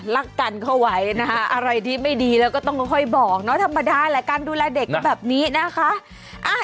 รักกันเข้าไว้นะคะอะไรที่ไม่ดีแล้วก็ต้องค่อยบอกเนาะธรรมดาแหละการดูแลเด็กก็แบบนี้นะคะ